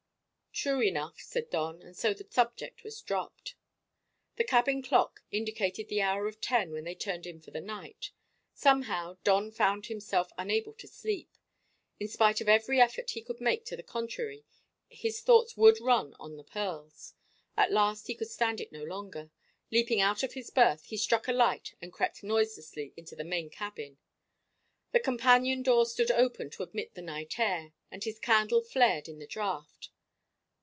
"True enough," said Don, and so the subject dropped. The cabin clock indicated the hour of ten when they turned in for the night. Somehow Don found himself unable to sleep. In spite of every effort he could make to the contrary, his thoughts would run on the pearls. At last he could stand it no longer. Leaping out of his berth, he struck a light and crept noiselessly into the main cabin. The companion door stood open to admit the night air, and his candle flared in the draught.